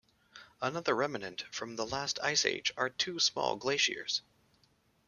Another remnant from the last Ice Age are two small glaciers.